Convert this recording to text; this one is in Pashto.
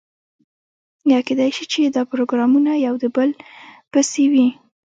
یا کیدای شي چې دا پروګرامونه یو د بل پسې وي.